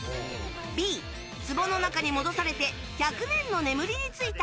Ｂ、壺の中に戻されて１００年の眠りについた。